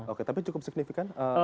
oke tapi cukup signifikan